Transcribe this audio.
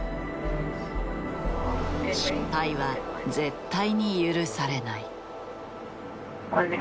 失敗は絶対に許されない。